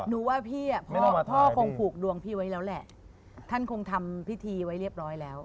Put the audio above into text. หนูว่าพี่อ่ะพ่อคงผูกดวงพี่ไว้แล้วแหละท่านคงทำพิธีไว้เรียบร้อยแล้ว